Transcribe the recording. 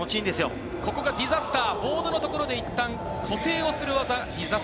ここがディザスター、ボードのところで一旦固定をする技。